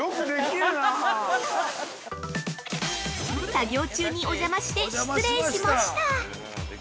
◆作業中にお邪魔して失礼しました！